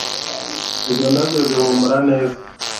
izo ndabyo zihumura neza